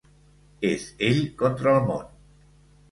És ell contra el món.